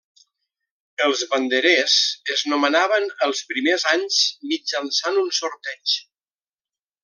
Els banderers es nomenaven els primers anys mitjançant un sorteig.